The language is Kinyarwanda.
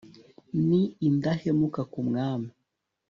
ni indahemuka ku mwami